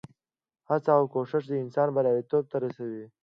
هڅه او کوښښ انسان بریالیتوب ته رسوي.